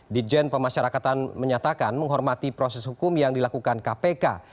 dijen pemasyarakatan menyatakan menghormati proses hukum yang dilakukan kpk